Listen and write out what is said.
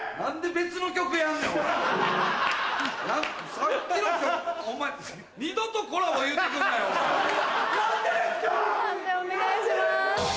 判定お願いします。